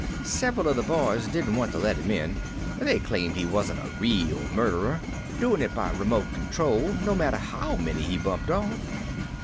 Several of the boys didn't want to let him in. They claimed he wasn't a real murderer, doing it by remote control, no matter how many he bumped off."